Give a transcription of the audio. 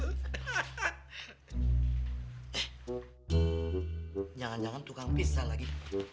eh jangan jangan tukang pisa lagi